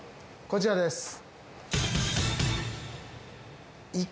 こちらです。